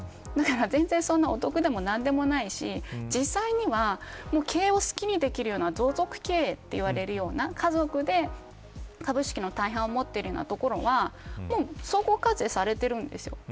全然、お得でもなんでもないし実際には経営を好きにできるような同族経営といわれるような家族で株式の大半を持っているようなところは総合課税されているんですよ。